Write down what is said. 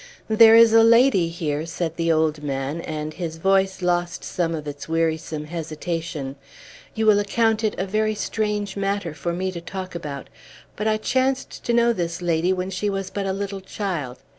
"There is a lady here," said the old man; and his voice lost some of its wearisome hesitation. "You will account it a very strange matter for me to talk about; but I chanced to know this lady when she was but a little child.